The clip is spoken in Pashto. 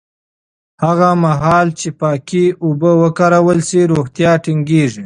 هغه مهال چې پاکې اوبه وکارول شي، روغتیا ټینګېږي.